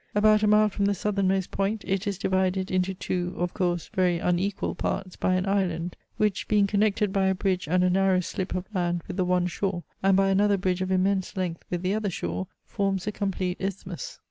About a mile from the southernmost point it is divided into two, of course very unequal, parts by an island, which, being connected by a bridge and a narrow slip of land with the one shore, and by another bridge of immense length with the other shore, forms a complete isthmus.